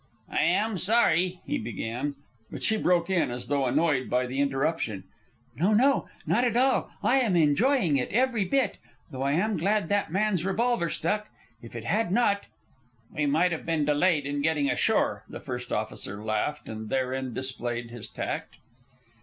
"I am sorry," he began. But she broke in, as though annoyed by the interruption, "No, no; not at all. I am enjoying it every bit. Though I am glad that man's revolver stuck. If it had not " "We might have been delayed in getting ashore." The first officer laughed, and therein displayed his tact.